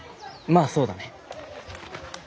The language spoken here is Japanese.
まあそうだね。